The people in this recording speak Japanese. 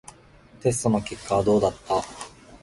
テストの結果はどうだった？